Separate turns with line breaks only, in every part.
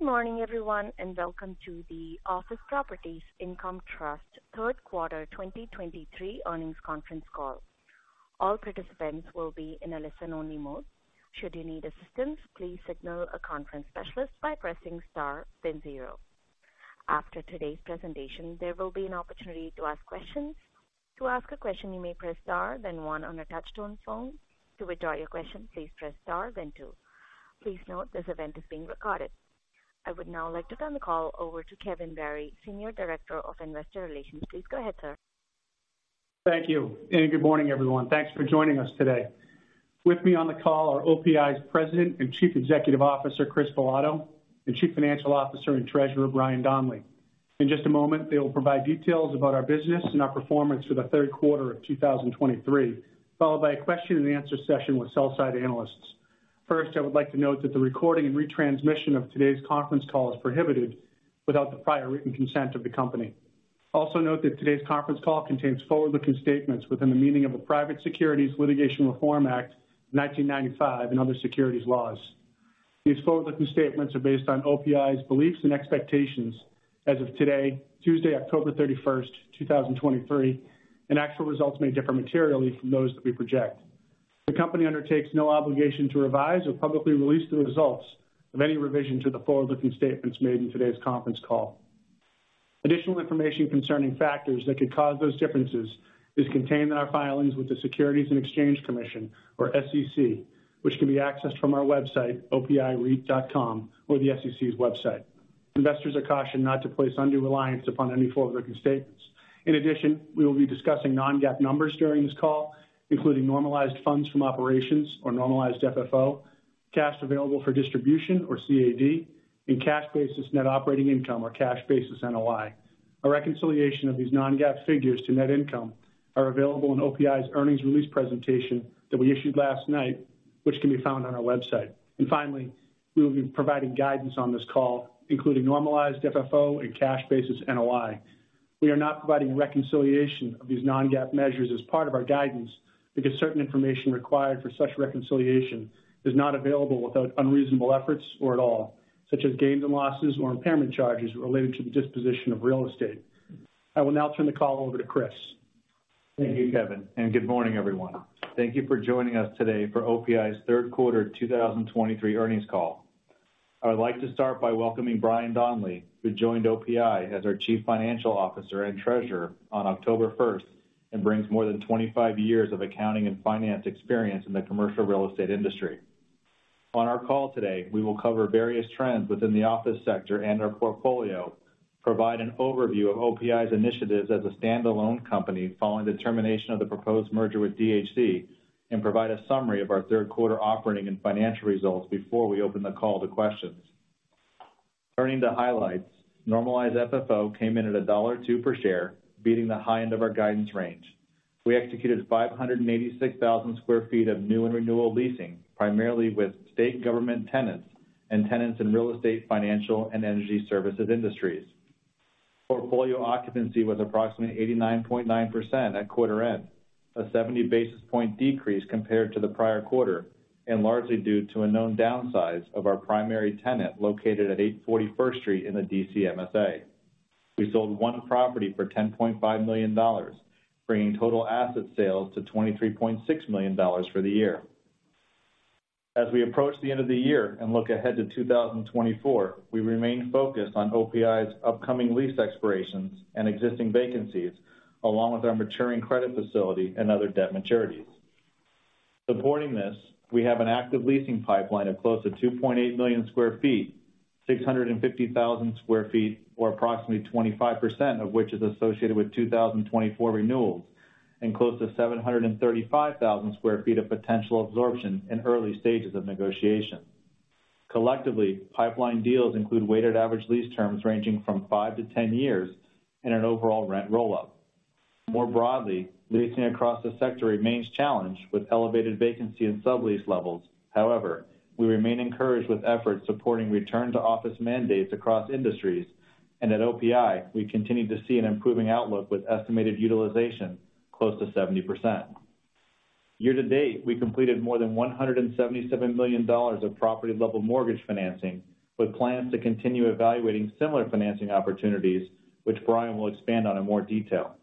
Good morning, everyone, and welcome to the Office Properties Income Trust third quarter 2023 earnings conference call. All participants will be in a listen-only mode. Should you need assistance, please signal a conference specialist by pressing Star then zero. After today's presentation, there will be an opportunity to ask questions. To ask a question, you may press Star, then one on a touch-tone phone. To withdraw your question, please press Star then two. Please note, this event is being recorded. I would now like to turn the call over to Kevin Barry, Senior Director of Investor Relations. Please go ahead, sir.
Thank you, and good morning, everyone. Thanks for joining us today. With me on the call are OPI's President and Chief Executive Officer, Chris Bilotto, and Chief Financial Officer and Treasurer, Brian Donley. In just a moment, they will provide details about our business and our performance for the third quarter of 2023, followed by a question-and-answer session with sell-side analysts. First, I would like to note that the recording and retransmission of today's conference call is prohibited without the prior written consent of the company. Also, note that today's conference call contains forward-looking statements within the meaning of the Private Securities Litigation Reform Act of 1995, and other securities laws. These forward-looking statements are based on OPI's beliefs and expectations as of today, Tuesday, October 31st, 2023, and actual results may differ materially from those that we project. The company undertakes no obligation to revise or publicly release the results of any revision to the forward-looking statements made in today's conference call. Additional information concerning factors that could cause those differences is contained in our filings with the Securities and Exchange Commission, or SEC, which can be accessed from our website, opireit.com, or the SEC's website. Investors are cautioned not to place undue reliance upon any forward-looking statements. In addition, we will be discussing non-GAAP numbers during this call, including normalized funds from operations or normalized FFO, cash available for distribution or CAD, and cash basis net operating income or cash basis NOI. A reconciliation of these non-GAAP figures to net income are available in OPI's earnings release presentation that we issued last night, which can be found on our website. Finally, we will be providing guidance on this call, including normalized FFO and cash basis NOI. We are not providing reconciliation of these non-GAAP measures as part of our guidance because certain information required for such reconciliation is not available without unreasonable efforts or at all, such as gains and losses or impairment charges related to the disposition of real estate. I will now turn the call over to Chris.
Thank you, Kevin, and good morning, everyone. Thank you for joining us today for OPI's third quarter 2023 earnings call. I'd like to start by welcoming Brian Donley, who joined OPI as our Chief Financial Officer and Treasurer on October 1st, and brings more than 25 years of accounting and finance experience in the commercial real estate industry. On our call today, we will cover various trends within the office sector and our portfolio, provide an overview of OPI's initiatives as a standalone company following the termination of the proposed merger with DHC, and provide a summary of our third quarter operating and financial results before we open the call to questions. Turning to highlights, Normalized FFO came in at $2 per share, beating the high end of our guidance range. We executed 586,000 sq ft of new and renewal leasing, primarily with state government tenants and tenants in real estate, financial, and energy services industries. Portfolio occupancy was approximately 89.9% at quarter-end, a 70 basis points decrease compared to the prior quarter, and largely due to a known downsize of our primary tenant located at 841 First Street in the DC MSA. We sold one property for $10.5 million, bringing total asset sales to $23.6 million for the year. As we approach the end of the year and look ahead to 2024, we remain focused on OPI's upcoming lease expirations and existing vacancies, along with our maturing credit facility and other debt maturities. Supporting this, we have an active leasing pipeline of close to 2.8 million sq ft, 650,000 sq ft, or approximately 25% of which is associated with 2024 renewals, and close to 735,000 sq ft of potential absorption in early stages of negotiation. Collectively, pipeline deals include weighted average lease terms ranging from 5-10 years and an overall rent roll-up. More broadly, leasing across the sector remains challenged with elevated vacancy and sublease levels. However, we remain encouraged with efforts supporting return to office mandates across industries, and at OPI, we continue to see an improving outlook with estimated utilization close to 70%. Year-to-date, we completed more than $177 million of property-level mortgage financing, with plans to continue evaluating similar financing opportunities, which Brian will expand on in more detail.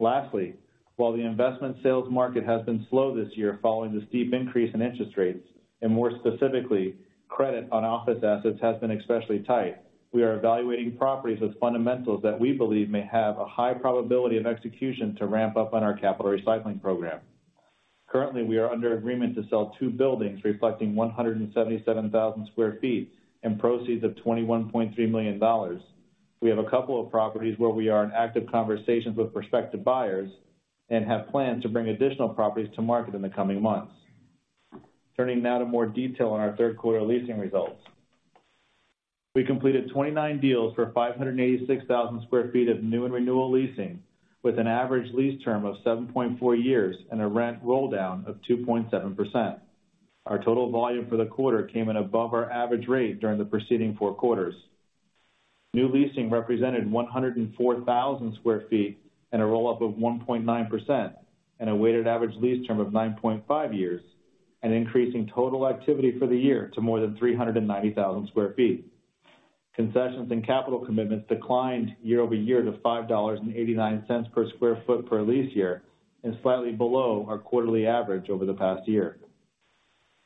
Lastly, while the investment sales market has been slow this year following the steep increase in interest rates, and more specifically, credit on office assets has been especially tight, we are evaluating properties with fundamentals that we believe may have a high probability of execution to ramp up on our capital recycling program. Currently, we are under agreement to sell two buildings reflecting 177,000 sq ft and proceeds of $21.3 million. We have a couple of properties where we are in active conversations with prospective buyers and have plans to bring additional properties to market in the coming months. Turning now to more detail on our third quarter leasing results. We completed 29 deals for 586,000 sq ft of new and renewal leasing, with an average lease term of 7.4 years and a rent roll-down of 2.7%. Our total volume for the quarter came in above our average rate during the preceding four quarters.... New leasing represented 104,000 sq ft and a roll-up of 1.9% and a weighted average lease term of 9.5 years, and increasing total activity for the year to more than 390,000 sq ft. Concessions and capital commitments declined year-over-year to $5.89 per sq ft per lease year, and slightly below our quarterly average over the past year.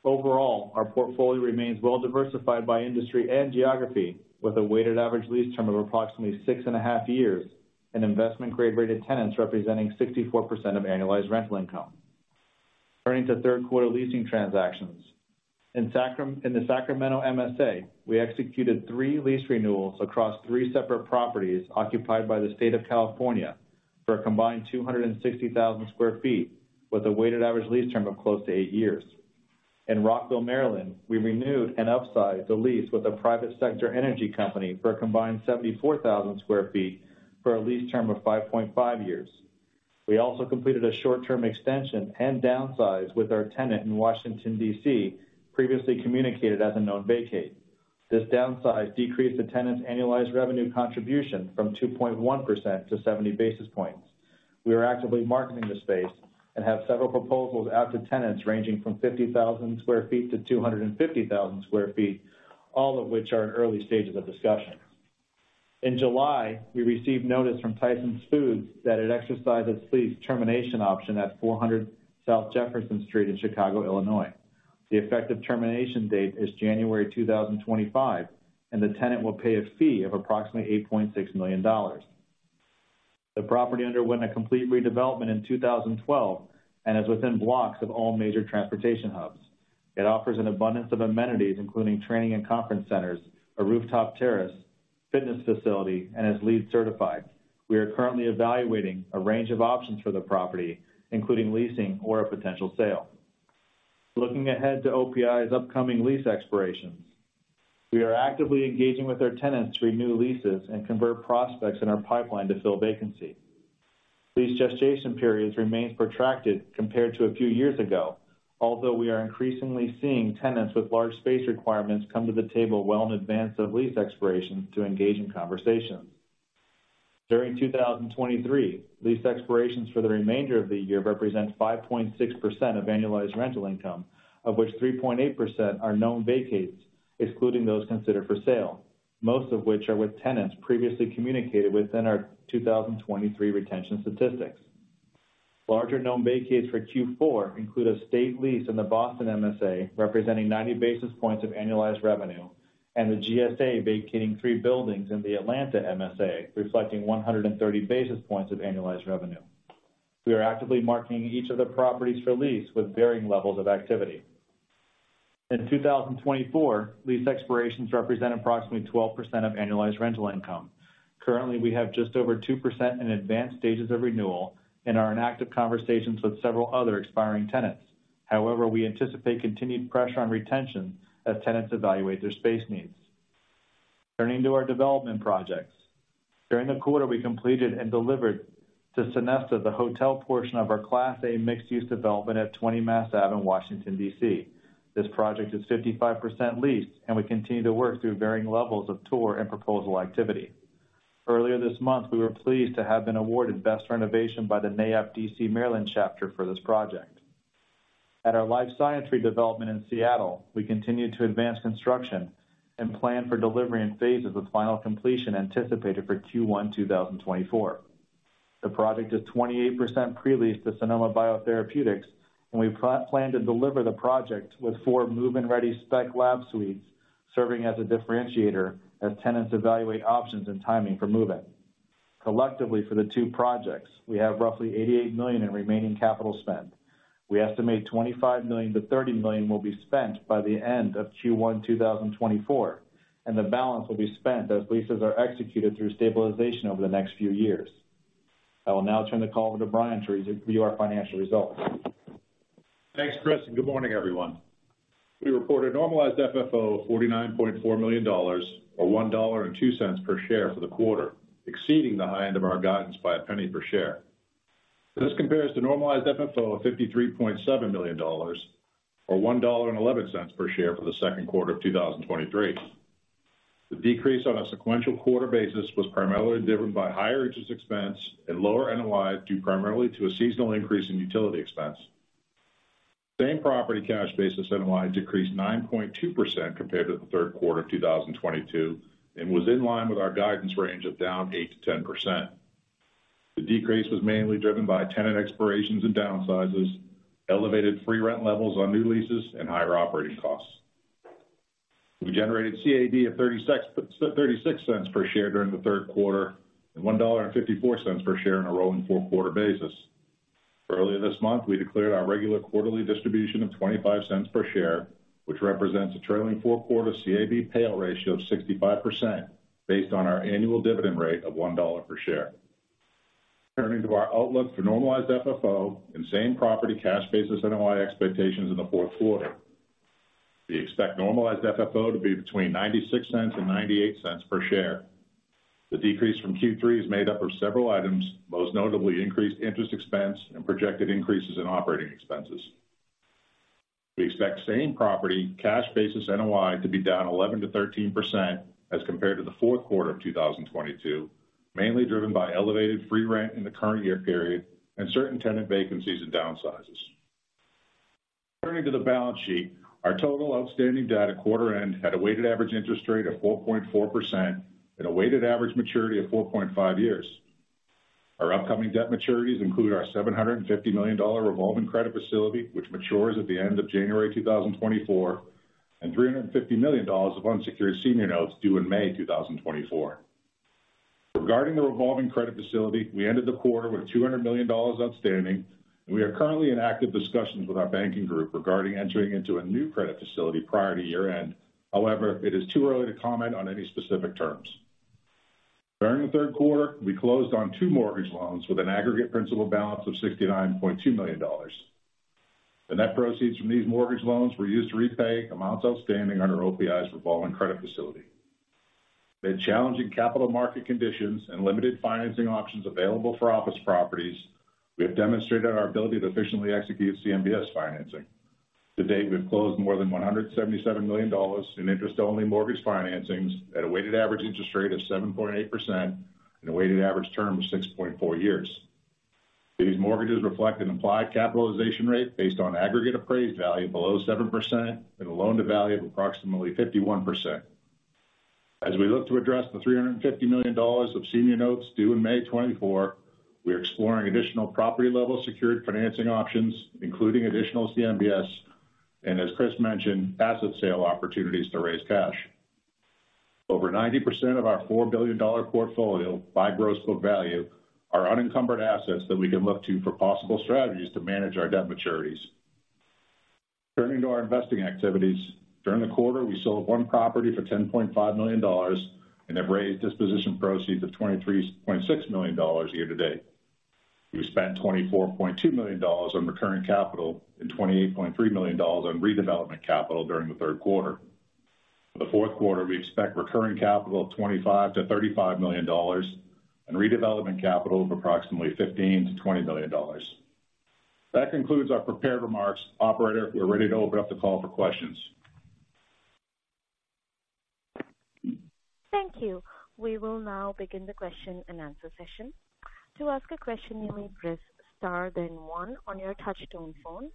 Overall, our portfolio remains well diversified by industry and geography, with a weighted average lease term of approximately 6.5 years, and investment-grade rated tenants representing 64% of annualized rental income. Turning to third quarter leasing transactions. In the Sacramento MSA, we executed three lease renewals across three separate properties occupied by the state of California for a combined 260,000 sq ft, with a weighted average lease term of close to 8 years. In Rockville, Maryland, we renewed and upsized a lease with a private sector energy company for a combined 74,000 sq ft for a lease term of 5.5 years. We also completed a short-term extension and downsize with our tenant in Washington, D.C., previously communicated as a known vacate. This downsize decreased the tenant's annualized revenue contribution from 2.1% to 70 basis points. We are actively marketing the space and have several proposals out to tenants ranging from 50,000 sq ft-250,000 sq ft, all of which are in early stages of discussion. In July, we received notice from Tyson Foods that it exercised its lease termination option at 400 South Jefferson Street in Chicago, Illinois. The effective termination date is January 2025, and the tenant will pay a fee of approximately $8.6 million. The property underwent a complete redevelopment in 2012 and is within blocks of all major transportation hubs. It offers an abundance of amenities, including training and conference centers, a rooftop terrace, fitness facility, and is LEED certified. We are currently evaluating a range of options for the property, including leasing or a potential sale. Looking ahead to OPI's upcoming lease expirations, we are actively engaging with our tenants to renew leases and convert prospects in our pipeline to fill vacancy. Lease gestation periods remain protracted compared to a few years ago, although we are increasingly seeing tenants with large space requirements come to the table well in advance of lease expirations to engage in conversations. During 2023, lease expirations for the remainder of the year represent 5.6% of annualized rental income, of which 3.8% are known vacates, excluding those considered for sale, most of which are with tenants previously communicated within our 2023 retention statistics. Larger known vacates for Q4 include a state lease in the Boston MSA, representing 90 basis points of annualized revenue, and the GSA vacating three buildings in the Atlanta MSA, reflecting 130 basis points of annualized revenue. We are actively marketing each of the properties for lease with varying levels of activity. In 2024, lease expirations represent approximately 12% of annualized rental income. Currently, we have just over 2% in advanced stages of renewal and are in active conversations with several other expiring tenants. However, we anticipate continued pressure on retention as tenants evaluate their space needs. Turning to our development projects. During the quarter, we completed and delivered to Sonesta, the hotel portion of our Class A mixed-use development at 20 Mass Ave in Washington, D.C. This project is 55% leased, and we continue to work through varying levels of tour and proposal activity. Earlier this month, we were pleased to have been awarded Best Renovation by the NAIOP DC Maryland chapter for this project. At our life science re-development in Seattle, we continued to advance construction and plan for delivery in phases with final completion anticipated for Q1 2024. The project is 28% pre-leased to Sonoma Biotherapeutics, and we plan to deliver the project with four move-in-ready spec lab suites, serving as a differentiator as tenants evaluate options and timing for move-in. Collectively, for the two projects, we have roughly $88 million in remaining capital spend. We estimate $25 million-$30 million will be spent by the end of Q1 2024, and the balance will be spent as leases are executed through stabilization over the next few years. I will now turn the call over to Brian to review our financial results.
Thanks, Chris, and good morning, everyone. We reported normalized FFO of $49.4 million or $1.02 per share for the quarter, exceeding the high end of our guidance by a penny per share. This compares to normalized FFO of $53.7 million, or $1.11 per share for the second quarter of 2023. The decrease on a sequential quarter basis was primarily driven by higher interest expense and lower NOI, due primarily to a seasonal increase in utility expense. Same property cash basis NOI decreased 9.2% compared to the third quarter of 2022, and was in line with our guidance range of down 8%-10%. The decrease was mainly driven by tenant expirations and downsizes, elevated free rent levels on new leases, and higher operating costs. We generated CAD of $0.36 per share during the third quarter, and $1.54 per share on a rolling four-quarter basis. Earlier this month, we declared our regular quarterly distribution of $0.25 per share, which represents a trailing four-quarter CAD payout ratio of 65%, based on our annual dividend rate of $1 per share. Turning to our outlook for Normalized FFO and same-property Cash Basis NOI expectations in the fourth quarter. We expect Normalized FFO to be between $0.96 and $0.98 per share. The decrease from Q3 is made up of several items, most notably increased interest expense and projected increases in operating expenses. We expect same-property cash basis NOI to be down 11%-13% as compared to the fourth quarter of 2022, mainly driven by elevated free rent in the current year period and certain tenant vacancies and downsizes. Turning to the balance sheet, our total outstanding debt at quarter end had a weighted average interest rate of 4.4% and a weighted average maturity of 4.5 years. Our upcoming debt maturities include our $750 million revolving credit facility, which matures at the end of January 2024, and $350 million of unsecured senior notes due in May 2024. Regarding the revolving credit facility, we ended the quarter with $200 million outstanding, and we are currently in active discussions with our banking group regarding entering into a new credit facility prior to year-end. However, it is too early to comment on any specific terms. During the third quarter, we closed on two mortgage loans with an aggregate principal balance of $69.2 million. The net proceeds from these mortgage loans were used to repay amounts outstanding under OPI's revolving credit facility. The challenging capital market conditions and limited financing options available for Office Properties, we have demonstrated our ability to efficiently execute CMBS financing. To date, we've closed more than $177 million in interest-only mortgage financings at a weighted average interest rate of 7.8% and a weighted average term of 6.4 years. These mortgages reflect an implied capitalization rate based on aggregate appraised value below 7% and a loan-to-value of approximately 51%. As we look to address the $350 million of senior notes due in May 2024, we're exploring additional property-level secured financing options, including additional CMBS, and as Chris mentioned, asset sale opportunities to raise cash. Over 90% of our $4 billion portfolio by gross book value are unencumbered assets that we can look to for possible strategies to manage our debt maturities. Turning to our investing activities. During the quarter, we sold one property for $10.5 million and have raised disposition proceeds of $23.6 million year-to-date. We spent $24.2 million on recurring capital and $28.3 million on redevelopment capital during the third quarter. For the fourth quarter, we expect recurring capital of $25 million-$35 million and redevelopment capital of approximately $15 million-$20 million. That concludes our prepared remarks. Operator, we're ready to open up the call for questions.
Thank you. We will now begin the question-and-answer session. To ask a question, you may press Star, then one on your touchtone phone.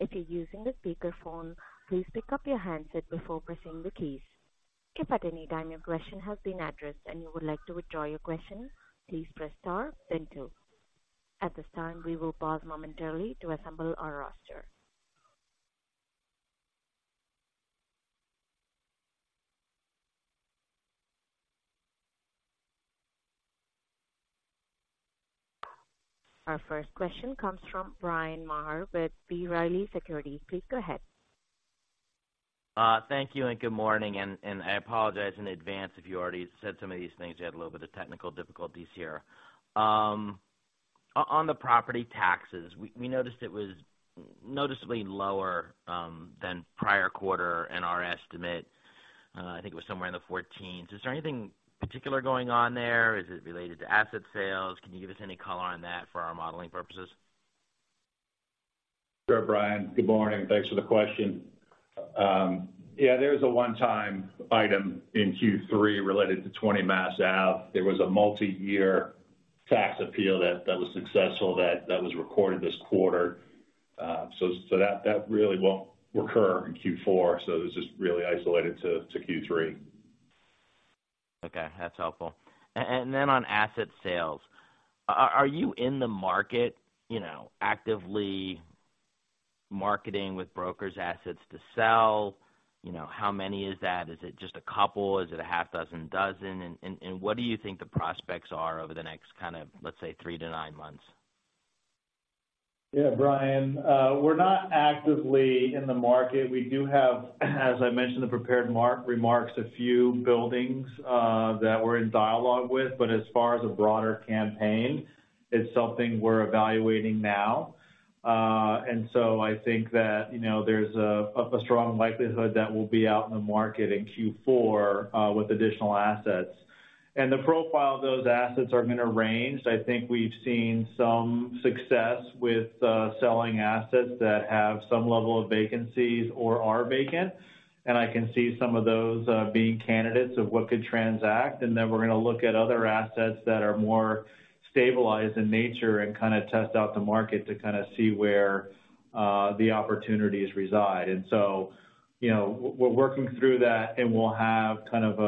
If you're using the speakerphone, please pick up your handset before pressing the keys. If at any time your question has been addressed and you would like to withdraw your question, please press Star then two. At this time, we will pause momentarily to assemble our roster. Our first question comes from Brian Maher with B. Riley Securities. Please go ahead.
Thank you, and good morning, and I apologize in advance if you already said some of these things. We had a little bit of technical difficulties here. On the property taxes, we noticed it was noticeably lower than prior quarter and our estimate. I think it was somewhere in the 14s. Is there anything particular going on there? Is it related to asset sales? Can you give us any color on that for our modeling purposes?
Sure, Brian. Good morning, and thanks for the question. Yeah, there's a one-time item in Q3 related to 20 Mass Ave. There was a multiyear tax appeal that was successful, that was recorded this quarter. So that really won't recur in Q4. It was just really isolated to Q3.
Okay, that's helpful. And then on asset sales, are you in the market, you know, actively marketing with brokers assets to sell? You know, how many is that? Is it just a couple? Is it a half dozen, dozen? And what do you think the prospects are over the next kind of, let's say, 3-9 months?
Yeah, Brian, we're not actively in the market. We do have, as I mentioned in the prepared remarks, a few buildings that we're in dialogue with. But as far as a broader campaign, it's something we're evaluating now. And so I think that, you know, there's a strong likelihood that we'll be out in the market in Q4 with additional assets. And the profile of those assets are going to range. I think we've seen some success with selling assets that have some level of vacancies or are vacant, and I can see some of those being candidates of what could transact. And then we're going to look at other assets that are more stabilized in nature and kind of test out the market to kind of see where the opportunities reside. And so, you know, we're working through that, and we'll have kind of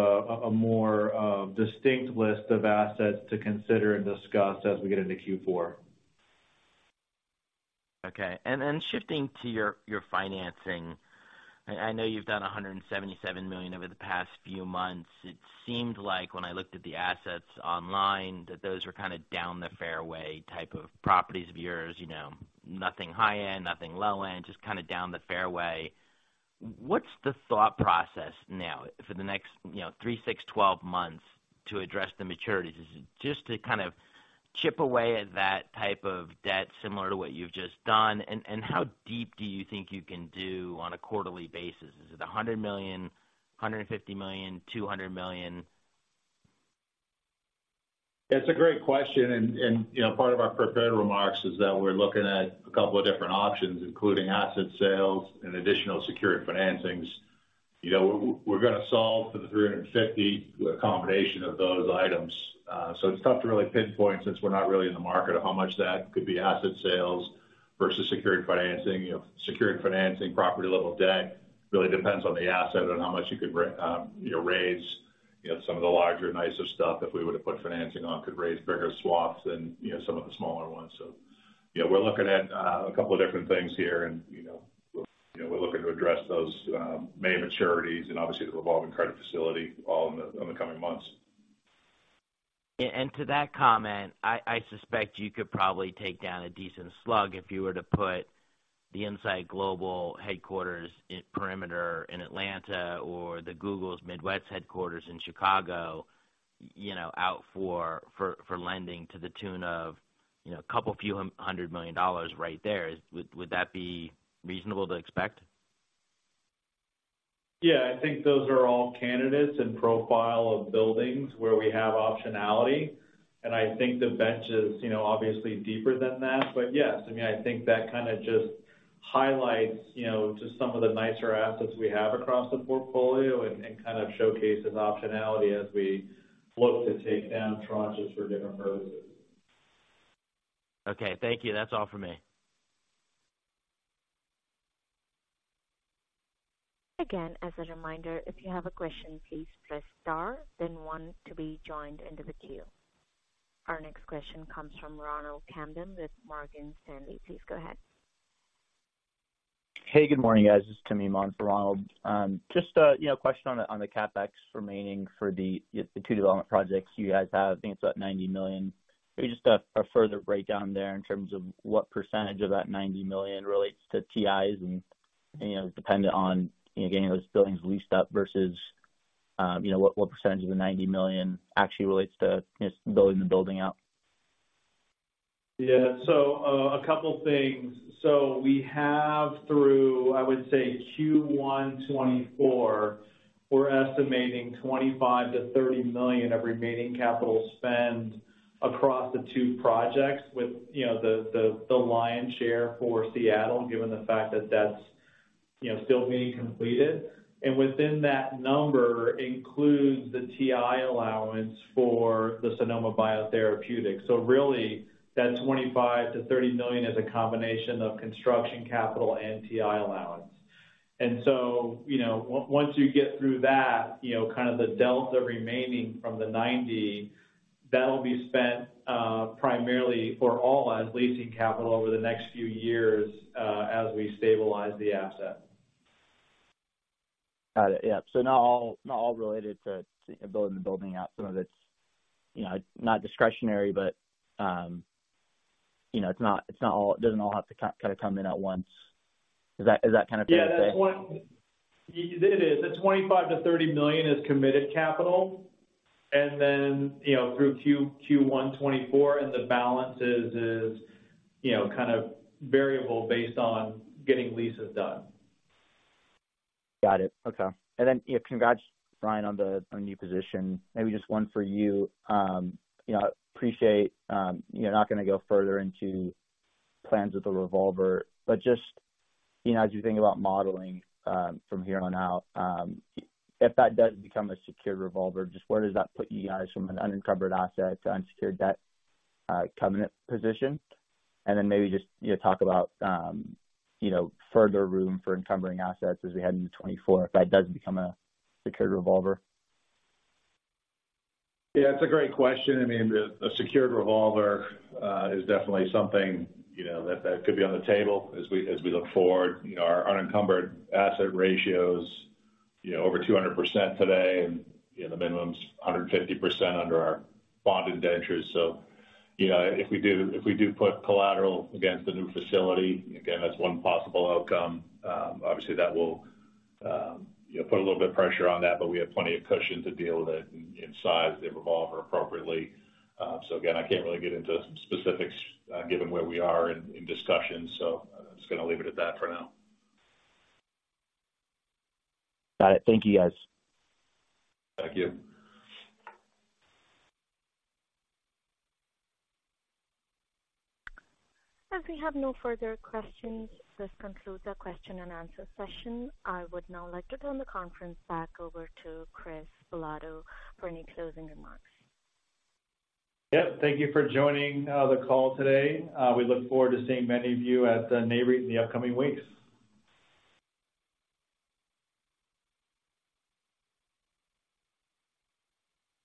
a more distinct list of assets to consider and discuss as we get into Q4.
Okay. And then shifting to your, your financing. I, I know you've done $177 million over the past few months. It seemed like when I looked at the assets online, that those were kind of down the fairway type of properties of yours, you know, nothing high end, nothing low end, just kind of down the fairway. What's the thought process now for the next, you know, 3, 6, 12 months to address the maturities? Is it just to kind of chip away at that type of debt, similar to what you've just done? And, and how deep do you think you can do on a quarterly basis? Is it $100 million, $150 million, $200 million?
It's a great question, you know, part of our prepared remarks is that we're looking at a couple of different options, including asset sales and additional secured financings. You know, we're gonna solve for the $350 with a combination of those items. So it's tough to really pinpoint since we're not really in the market of how much that could be asset sales versus secured financing. You know, secured financing, property-level debt, really depends on the asset and how much you could raise. You know, some of the larger, nicer stuff that we would have put financing on could raise bigger swaps than, you know, some of the smaller ones. So, you know, we're looking at a couple of different things here and, you know, you know, we're looking to address those main maturities and obviously the revolving credit facility all in the coming months.
Yeah, and to that comment, I suspect you could probably take down a decent slug if you were to put the Insight Global headquarters in Perimeter in Atlanta or Google's Midwest headquarters in Chicago, you know, out for lending to the tune of, you know, a couple few hundred million dollars right there. Would that be reasonable to expect?
Yeah, I think those are all candidates and profile of buildings where we have optionality, and I think the bench is, you know, obviously deeper than that. But yes, I mean, I think that kind of just highlights, you know, just some of the nicer assets we have across the portfolio and, and kind of showcases optionality as we look to take down tranches for different purposes.
Okay, thank you. That's all for me.
Again, as a reminder, if you have a question, please press Star then One to be joined into the queue. Our next question comes from Ronald Kamdem with Morgan Stanley. Please go ahead.
Hey, good morning, guys. It's Tim Eiman for Ronald. Just a, you know, question on the CapEx remaining for the two development projects you guys have. I think it's about $90 million. Maybe just a further breakdown there in terms of what percentage of that $90 million relates to TIs and, you know, dependent on, you know, getting those buildings leased up versus, you know, what percentage of the $90 million actually relates to just building the building out?
Yeah. So, a couple things. So we have through, I would say, Q1 2024, we're estimating $25 million-$30 million of remaining capital spend across the two projects with, you know, the lion's share for Seattle, given the fact that that's, you know, still being completed. And within that number includes the TI allowance for Sonoma Biotherapeutics. So really, that $25 million-$30 million is a combination of construction, capital, and TI allowance. And so, you know, once you get through that, you know, kind of the delta remaining from the $90 million, that'll be spent, primarily all as leasing capital over the next few years, as we stabilize the asset.
Got it. Yeah. So not all, not all related to building the building out. Some of it's, you know, not discretionary, but, you know, it's not, it's not all. It doesn't all have to kind of come in at once. Is that, is that kind of fair to say?
Yeah, that's one... It is. The $25 million-$30 million is committed capital, and then, you know, through Q1 2024, and the balance is, you know, kind of variable based on getting leases done.
Got it. Okay. And then, you know, congrats, Brian, on the, on the new position. Maybe just one for you. You know, appreciate, you're not gonna go further into plans with the revolver, but just, you know, as you think about modeling, from here on out, if that does become a secured revolver, just where does that put you guys from an unencumbered asset to unsecured debt, covenant position? And then maybe just, you know, talk about, you know, further room for encumbering assets as we head into 2024, if that does become a secured revolver.
Yeah, it's a great question. I mean, the secured revolver is definitely something, you know, that could be on the table as we look forward. You know, our unencumbered asset ratio is, you know, over 200% today, and, you know, the minimum is 150% under our bond indentures. So, you know, if we do put collateral against the new facility, again, that's one possible outcome. Obviously, that will, you know, put a little bit of pressure on that, but we have plenty of cushion to deal with it in size the revolver appropriately. So again, I can't really get into specifics, given where we are in discussions, so I'm just gonna leave it at that for now.
Got it. Thank you, guys.
Thank you.
As we have no further questions, this concludes our question and answer session. I would now like to turn the conference back over to Chris Bilotto for any closing remarks.
Yep. Thank you for joining the call today. We look forward to seeing many of you at the Nareit in the upcoming weeks.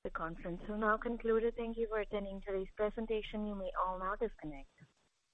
The conference is now concluded. Thank you for attending today's presentation. You may all now disconnect.